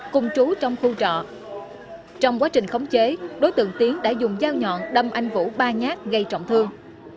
cùng trú trong khu trọ trong quá trình khống chế đối tượng tiến đã dùng dao nhọn đâm anh vũ ba nhát gây trọng thương